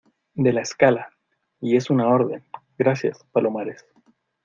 de la escala. y es una orden . gracias, Palomares .